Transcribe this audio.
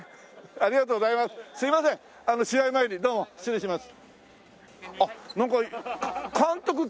ありがとうございます。